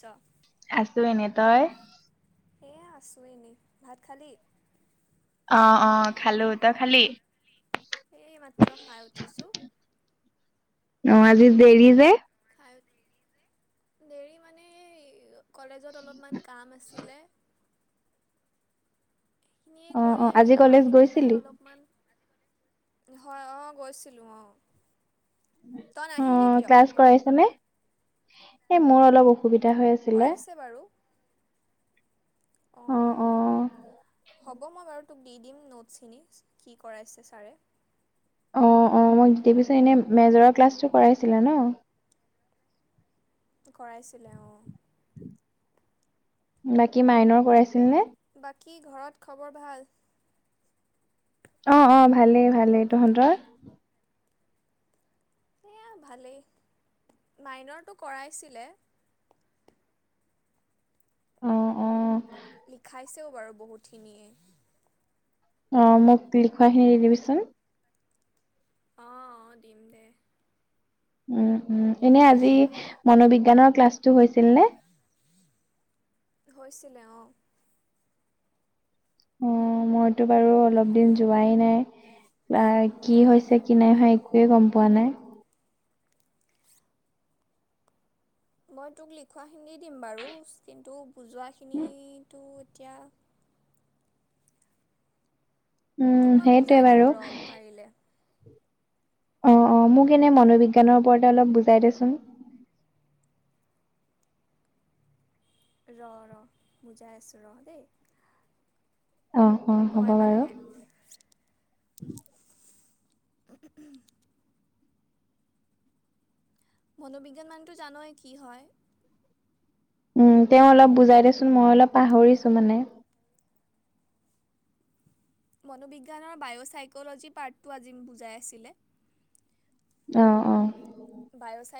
ছ আছো এনেই তই এয়া আছোঁ এনেই ভাত খালি অ অ খালো তই খালি এই মাত্ৰ খাই উঠিছোঁ অ আজি দেৰি যে খাই দেৰি মানে এই কলেজত অলপমান কাম আছিলে সেইখিনিয়ে অ অ কৰি আজি আহিলো কলেজ আহি পেলাই গৈছিলি অলপমান হয় অ গৈছিলো অ অ ক্লাছ কৰাইছে নে এই মোৰ অলপ অসু- -বিধা হৈ আছিলে কৰাইছে অ হ'ব মই বাৰু তোক দি দিম নোটছখিনি কি কৰাইছে ছাৰে অ অ মোক দি দিবিচোন এনেই মেজৰৰ ক্লাছটো কৰাইছিলে ন কৰাইছিলে অঁ বাকী মাইনৰ কৰাইছিল নে বাকী ঘৰত খবৰ ভাল অ অ ভালেই ভালেই তহঁতৰ এয়া ভালেই মাইনৰটো কৰাইছিলে অ অ লিখাইছেও বাৰু বহুতখিনিয়ে অ মোক লিখোৱাখিনি দি দিবিচোন অ অ দিম দে উ উম এনে আজি মনোবিজ্ঞানৰ ক্লাছটো হৈছিল নে? [inaudible] হৈছিলে অঁ অ মইতো বাৰু অলপ দিন যোৱাই নাই কি হৈছে কি নাই হয় একোৱে গম পোৱা নাই মই তোক লিখোৱাখিনি দিম বাৰু কিন্তু বুজোৱাখিনো টো এতিয়া উম তোক মই সেইটোৱে বুজাই দিম বাৰু ৰ পাৰিলে অ', অ', মোক এনে মনোবিজ্ঞানৰ ওপৰতে অলপ বুজাই দেচোন। ৰ'-ৰ' বুজাই আছোঁ ৰহ দেই। অহ', অহ', হ'ব মই বাৰু। মানে [unintelligible] মনোবিজ্ঞান মানেটো জানই কি হয়! উম, তেওঁ অলপ বুজাই দেচোন মই অলপ পাহৰিছো মানে। মনোবিজ্ঞানৰ বায়'চাইকলজি পাৰ্টটো আজি বুজাই আছিলে। অ, অহ।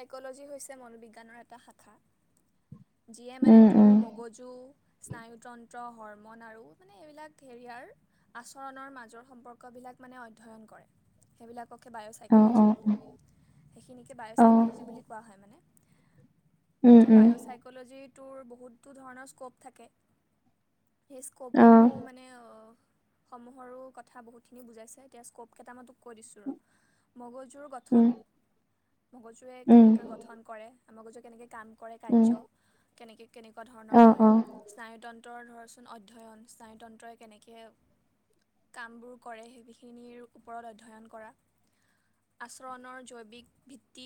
চাইকলজি হৈছে মনোবিজ্ঞানৰ এটা শাখা যিয়ে মানে উম তোৰ উম মগজু স্নায়ুতন্ত্ৰ, হৰমন আৰু মানে এইবিলাক সেয়াৰ আচৰণৰ মাজৰ সম্পৰ্কবোৰ ইয়াক মানে অধ্যয়ন কৰে। সেইবিলাক পকে অ অ বায়'চাইকলজি বুলি সেইখিনিকে অ অ বায়'চাইকলজি বুলি কোৱা হয়। মানে উম এতিয়া উম বায়'চাইক'লজিটোৰ বহুটো ধৰণৰ স্ক'প থাকে। সেই অ স্ক'পসমূহ মানে অহ সমূহৰো কথা বহুতখিনি বুজাইছে এতিয়া স্ক'প কেইটামান তোক কৈ দিছোঁ ৰ'। মগজুৰ গঠন। উম মগজুৱে উম কেনেকৈ গঠন কৰে, মগজুৱে কেনেকে কাম কৰে, উম কাৰ্য কেনেকে কেনেকুৱা ধৰণৰ অ হয়। অ স্নায়তন্ত্ৰৰ ধৰচোন অধ্যয়ন স্নায়তন্ত্ৰই কেনেকে কামবোৰ কৰে সেইবিখিনিৰ ওপৰত অধ্যয়ন কৰা। আচৰণৰ জৈৱিক ভিত্তি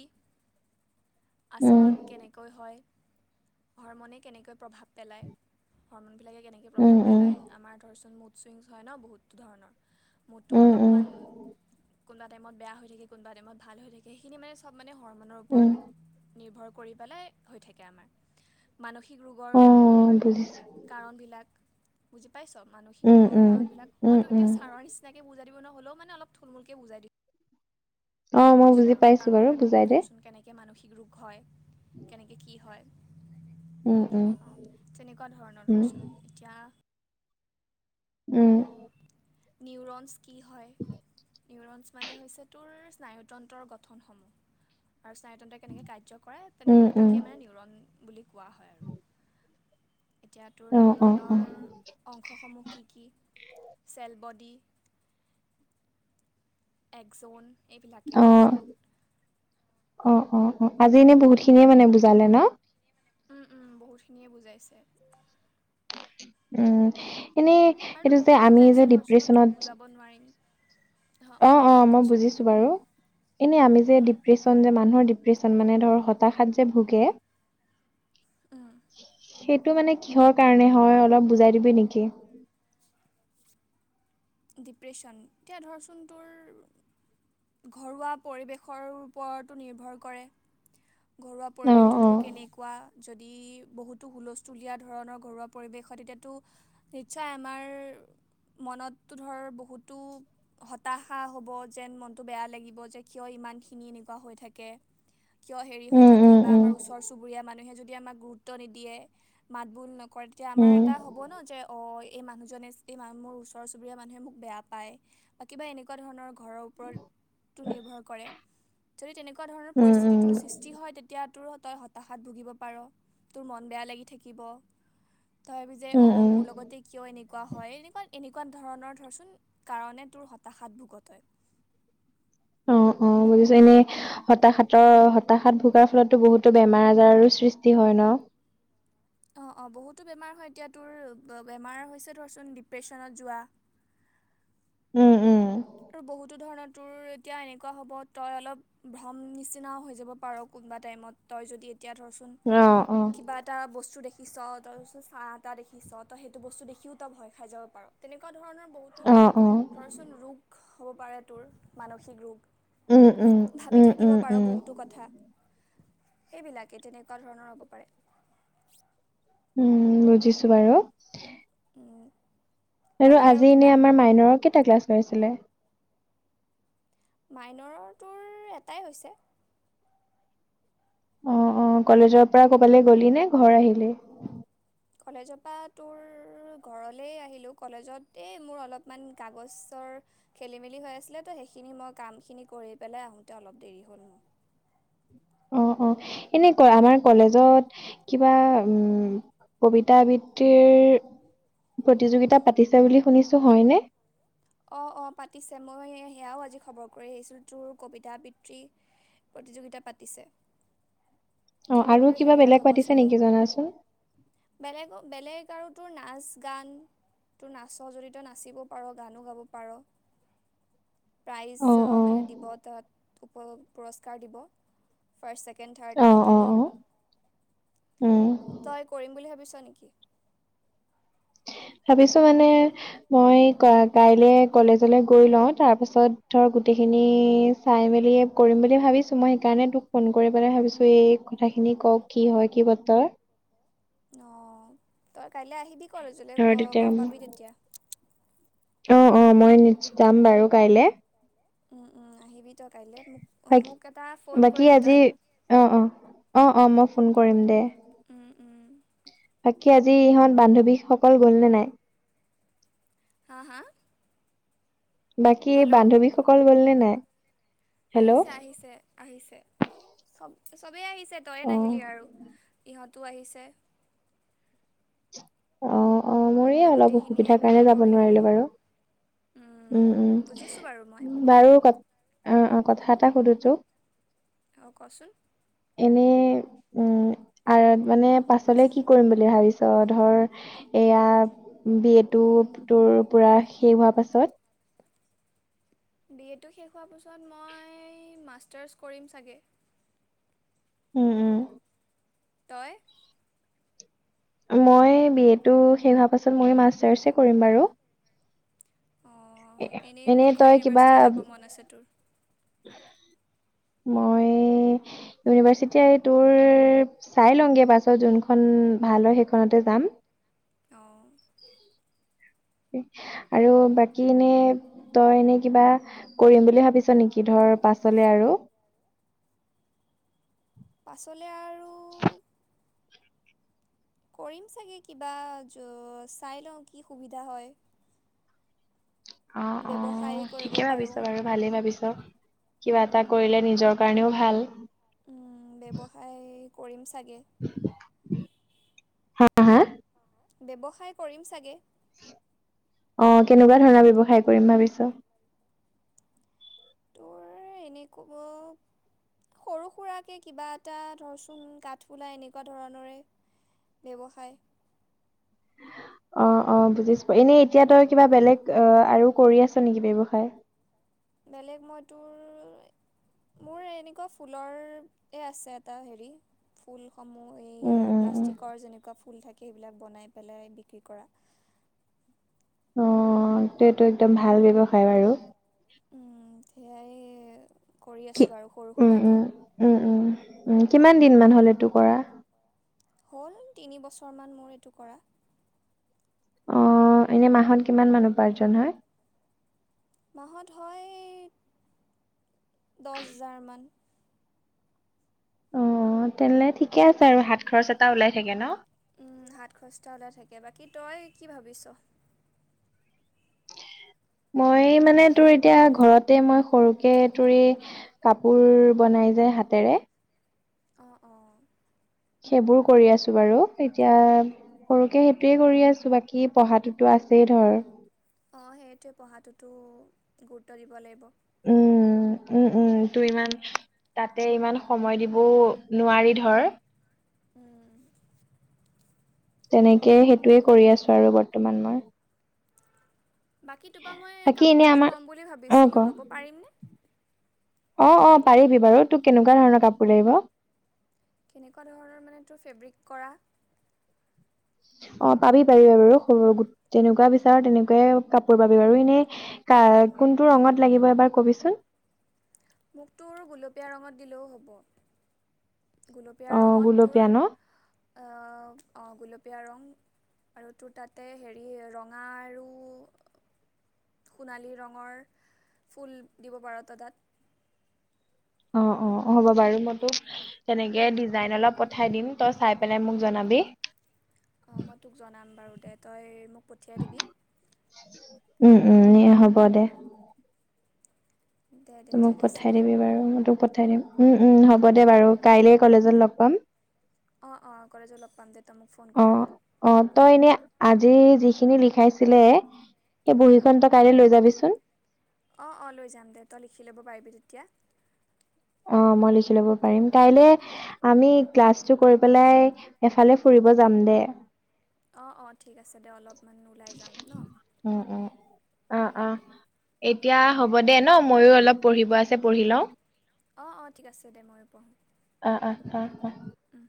উম আচৰণ কেনেকৈ হয়? হৰম'নে কেনেকৈ প্ৰভাৱ পেলায়, হৰম'নবিলাকে কেনেকে উম প্ৰভাৱ উম পেলায় আমাৰ ধৰচ মুড চুইংছ হয় ন' বহুত ধৰণৰ মুডটো উম অলপমান কোনবা টাইমত বেয়া হৈ থাকে, কোনবা টাইমত ভাল হৈ থাকে, সেইখিনি মানে চব মানে হৰম'নৰ উম উম ওপৰত নিৰ্ভৰ কৰি পেলাই হৈ থাকে আমাৰ, মানসিক ৰোগৰ অ বুজিছো কাৰণবিলাক বুজি পাইছ' মানসিক উম ৰোগৰ উম কাৰণ বিলাক, উম মই তোক এতিয়া উম ছাৰৰ নিচিনাকে বুজাই দিব নহ'লেও মানে অলপ থুলমূলকে বুজাই দি অ মই বুজি চোৱাৰো পাইছো কাৰণ বাৰু বিলাক বুজাই দে ধৰচোন কেনেকে মানসিক ৰোগ হয়, কেনেকে কি হয়? উম উম অ', তেনেকুৱা ধৰণৰ উম ধৰচোন এতিয়া উম। নিউৰন্স কি হয়? নিউৰন্স মানে হৈছে তোৰ স্নায়ুতন্ত্ৰৰ গঠনসমূহ। আৰু স্নায়তন্তই কেনেকে কাৰ্য কৰে তেনে উম উম তাকে মানে নিউৰণ বুলি কোৱা হয় আৰু [inaudible] এতিয়া তোৰ অ অ অ নিউৰনৰ অংশসমূহ কি কি? Cell body. একজৌন এইবিলাকে অ ধৰচোন। অ অ অ আজি এনেই বহুতখিনিয়ে মানে বুজালে ন'? উম, উম, বহুতখিনিয়ে বুজাইছে। উম, এনেই আৰু তো এইটো যে বহুত আমি বুজাইছে যে ধৰচোন মই তোক ডিপ্ৰেচনত বুজাব নোৱাৰিম অঁ অ অঁ অ অঁ মই কচোন বুজিছো বাৰু। এনে আমি যে ডিপ্ৰেশ্যন যে মানুহৰ ডিপ ন মানে ধৰ হতাশাত যে ভোগে সেইটো মানে কিহৰ কাৰণে হয় অলপ বুজাই দিবি নিকি [inaudible] ডিপ্ৰেশ্যন এতিয়া ধৰচোন তোৰ ঘৰুৱা পৰিৱেশৰ ওপৰতো নিৰ্ভৰ কৰে ঘৰুৱা অ পৰিৱেশটো অ তোৰ কেনেকুৱা যদি বহুতো হুলস্থুলীয়া ধৰণৰ ঘৰুৱা পৰিৱেশ হয় তেতিয়াতো নিশ্চয় আমাৰ মনত ধৰ বহুতো হতাশা হব যেন মনতটো বেয়া লাগিব যে কিয় ইমান খিনি এ এনেকুৱা হৈ থাকে [inaudible] কিয় হেৰি হৈ উম থাকে উম বা উম আমাৰ ওচৰ চুবুৰীয়া মানুহে যদি আমাক গুৰুত্ব নিদিয়ে মাতবোল ন কৰে তেতিয়া আমাৰ উম এটা হ'ব ন যে অ এই মানুহজনে এই ম মোৰ ওচৰ চুবুৰীয়া মানুহে মোক বেয়া পায় বা কিবা এনেকুৱা ধৰণৰ ঘৰৰ ওপৰতো নিৰ্ভৰ কৰে যদি তেনেকুৱা ধৰণৰ উম উম পৰিস্থিতিটোৰ সৃষ্টি হয় তেতিয়া তোৰো তই হতাশাত ভুগিব পাৰ তোৰ মন বেয়া লাগি থাকিব তই ভাবিবি যে অ উম উম মোৰ লগতে কিয় এনেকুৱা হয় এনেকুৱা এ নেকুৱ ধৰণৰ ধৰচোন কাৰণে তোৰ হতাশাত ভুগত হয় অ অ বুজিছো এনে হতাশাতৰ হতাশাত ভোগাৰ ফলতো বহুতো বেমাৰ আজাৰ আৰু সৃষ্টি হয় ন অঁ অঁ বহুতো বেমাৰ হয় এতিয়া তোৰ বেমাৰ হৈছে ধৰচোন ডিপ্ৰেশ্যনত যোৱা উম উম আৰু বহুতো ধৰণৰ তোৰ এতিয়া এনেকুৱা হ'ব তই অলপ ভ্ৰম নিচিনা হৈ যাব পাৰ এনেকুৱা তাইমত তই ধৰচুন অ', অ', কিবা এটা বস্তু দেখি পিছ তাৰপিছত চাহ এটা দেখিছ তই সেইটো বস্তু দেখিও তই ভয় খাই যাব পাৰো ত তেনেকুৱা ধৰণৰ বহুতো অ', অ'। ধৰচোন ৰোগ হ'ব পাৰে তোৰ মানসিক ৰোগ উম, উম, ভাবি উম, থাকিব উম, পাৰোঁ উম, বহুতো কথা এইবিলাকেই তেনেকুৱা ধৰণৰ হ'ব পাৰে উম বুজিছো বাৰু আৰু বাকী আজি এনে কিবা আমাৰ মাইনৰৰ কেইটা ক্লাছ লৈছিলে মাইনৰ তৰ এটাই হৈছে অ অ কলেজৰ পৰা ক'বালৈ গলি নে ঘৰ আহিলি কলেজৰ পৰা তোৰ ঘৰলে আহিলো কলেজতে মোৰ অলপমান কাগজৰ খেলি মেলি হৈ সেইখিন কিন কৰি পেলাই আহোতে অলপ দেৰি হ'ল অ অ এনে ক আমাৰ কলেজত কিবা উম কবিতা আবৃত্তিৰ প্ৰতিযোগিতা পাতিছে বুলি শুনিছো হয়নে অঁ অঁ পাতিছে মই সেয়াও আজি খবৰ কৰি আহিছোঁ তোৰ কবিতা আবৃত্তি প্ৰতিযোগিতা পাতিছে অ', তোৰ আৰু কিবা হেৰিয়াত বেলেগ হ'ব পাতিছে চাগে নেকি জনাচোন? বেলেগ বেলেগ তোৰ নাচ গান ত নাচ জিত নাচিব পাৰ গানো গাব পাৰঁ প্ৰাইজ অ', অ', মানে দিব তাত পুৰস্কাৰ দিব ফাৰ্ষ্ট চেকেণ্ড ছেকেণ্ড থাৰ্ড অ', থাকিব অ', অ', উম। তই কৰিম বুলি ভাবিছ নেকি ভাবিছো মানে মই কাইলে কলেজলে গৈ লওঁ তাৰ পাছত ধৰ গোটেইখিনি চাই মেলি কৰিম বুলি ভাবিছোঁ মই সেইকাৰণে তোক ফোন কৰি পেলাই ভাবিছো এই কথাখিনি তুনি কওক কি হয় কি বতৰ অ ত কাইলৈ আহিবি কলেজ লৈ ধৰ তেতিয়া গম মই- পাবি তেতিয়া অ অ মই যাম বাৰু কাইলে উম উম আহিবি তই কাইলৈ মোক বাকী মোক এটা ফোন বাকী কৰিবি তই আজি অ অ অ অ মই ফোন কৰিম দে। উম, উম, বাকী আজি ইহঁত বান্ধৱীসকল গ'লনে নাই? হা হা বাকী হেল্ল' বান্ধৱীসকল গ'লনে নাই? হেল্ল' আহিছে, আহিছে, আহিছে। চব চবেই আহিছে তই অ নাহিলি আৰু ইহঁটো আহিছে। অ অ মোৰে সেই অলপ গোটেইখিনিয়ে অসুবিধাৰ কাৰণে মিলি যাব কৰিলোঁ নোৱাৰিলোঁ বাৰু। উম বুজিছোঁ বাৰু মই উম বাৰু ক অ অ কথা এটা সুধো তোক অঁ কচোন। এনেই উম আৰু মানে পাছলে কি কৰিম বুলি ভাবিছ ধৰ এয়া বি এটো তোৰ পুৰা শেষ হোৱা পাছত বি এটো শেষ হোৱাৰ পিছত মাষ্টাৰছ কৰিম চাগে। উম উম। তই? মই বি এটো শেষ হোৱাৰ পাছত মই মাষ্টাৰ্চে কৰিম বাৰু। অ' এনেই কোনখন তই কিবা ইউনিভাৰ্চিটি যাব মন আছে তোৰ? [unintelligible] মই ইউনিভাৰ্চিটি তোৰ চাই লওঁংগে পাছত যোনখন উম ভাল হয় সেইখনতে যাম। অ'। আৰু বাকী এনে তই এনে কিবা কৰিম বুলি ভাবিছ নেকি ধৰ পাছলে আৰু পাছলে আৰু কৰিম চাগে কিবা জ চাই লওঁ কি সুবিধা হয়। অ অ ব্যৱসায় কৰিব ঠিকে ভাবিছ পাৰোঁ বাৰু ভালেই ভাবিছ হেল্ল, কিবা এটা কৰিলে নিজৰ কাৰণেও ভাল। উম ব্যৱসায় কৰিম চাগে। হা হা? ব্যৱসায় কৰিম চাগে। অ কেনেকুৱা ধৰণৰ ব্যৱসায় কৰিম ভাবিছ? তোৰ এ এনেকব। সৰু সুৰাকে কিবা এটা ধৰচোন কাঠফুলা এনেকুৱা ধৰণৰে। ব্যৱসায়। [unintelligible] অ অ বুজিছো এনে এতিয়া তই কিবা বেলেগ অ আৰু কৰি আছো নেকি ব্যৱসায়? বেলেগ মই তোৰ মোৰ এনেকুৱা ফুলৰ এ আছে এটা হেৰি ফুল সমূহ উম এই উম উম প্লাষ্টিকৰ যেনেকুৱা ফুল থাকে সেইবিলাক বনাই পেলাই বিক্ৰী কৰা। অ এইটো একদম ভাল ব্যৱসায় বাৰু। উম সেয়াই কৰি কি আছোঁ আৰু সৰু উম উম সুৰাকে। উম উম উম কিমান দিন মান হ'ল ইটো কৰা? হ'ল তিনিবছৰমান মোৰ এইটো কৰা। অ এনে মাহত কিমান মান উপাৰ্জন হয়? মাহত হয় দশ হাজাৰমান। অ তেনেহলে ঠিকে আছে আৰু হাত খৰচ এটা ওলাই থাকে ন। উম হাত খৰচ এটা ওলাই থাকে, বাকী তই কি ভাবিছ? মই মানে তোৰ এতিয়া ঘৰতে মই সৰুকে তোৰ কাপোৰ বনাই। যে হাতেৰে। অ' অ'। সেইবোৰ কৰি আছো বাৰু এতিয়া সৰুকে সেইটোয়ে কৰি আছো বাকী পঢ়াতটোতো আছে। আছেই ধৰ। অ সেইটোৱে পঢ়াটোতো গুৰুত্ব দিব লাগিব। উম উম উম তোৰ ইমান তাতে ইমান সময় দিবও নোৱাৰি ধৰ। উম। তেনেকেই সেইটোৱে কৰি আছো আৰু বৰ্তমান মই। বাকী তোপা মই বাকী এনে কাপোৰ এযোৰ আমাৰ ল'ম বুলি অ ভাবিছিলোঁ ক ল'ব পাৰিমনে? অ অ পাৰিবি বাৰু তোক কেনেকুৱা ধৰণৰ কাপোৰ লাগিব? কেনেকুৱা ধৰণৰ মানে তোৰ ফেব্ৰিক কৰা অ পাবি পাবি বাৰু সৰু গোট তেনেকুৱা বিচাৰ তেনেকুৱাই কাপোৰ পাবি বাৰু এনেই কোনটো ৰঙত লাগিব এবাৰ কবিচোন মোকতোৰ গোলপীয়া ৰঙত দিলেও হ'ব গুলপীয়া অ ৰঙত তোৰ গুলপীয়া ন এঅহ অ গুলপী গোলপীয়া ৰং আৰু তোৰ তাতে হেৰি ৰঙা আৰু সোণালী ৰঙৰ ফুল দিব পাৰা তাত অ অ হ'ব বাৰু মই তোক তেনেকে ডিজাইন অলপ পঠাই দিম তই চাই পেলাই মোক জনা বি অ মই তোক জনাম বাৰু দে তই মোক পঠিয়াই দিবি উম উম এ হ'ব দে দে দে ত মোক ঠিক আছে পঠাই দে দিবি বাৰু মই তোক পঠাই দিম উম উম হ'ব দে বাৰু কাইলে কলেজত লগ পাম অ অ কলেজত লগ পাম দে তই মোক ফোন অ কৰিবি। অ তই এনে আজি যিখিনি লিখাইছিলে এই বহী খন তই কাইলে লৈ যাবিচোন অ অ লৈ যাম দে তই লিখি ল'ব পাৰিবি তেতিয়া অ মই লিখি লব পাৰিম কাইলে আমি ক্লাছটো কৰি পেলাই এফালে ফুৰিব যাম দে অ অ ঠিক আছে দে অলপমান ওলাই যাম ন উম উম অ অ এতিয়া হ'ব দে ন ময়ো অলপ পঢ়িব আছে পঢ়ি লওঁ অ অ ঠিক আছে দে মই পঢ়ো অ আহ আহ উম